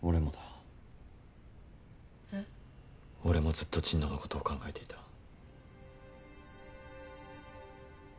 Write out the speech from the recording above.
俺もずっと神野のことを考えていた。